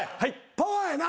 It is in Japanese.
パワーやな？